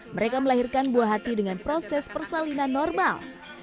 mereka melahirkan buah hati dengan proses persalinan normal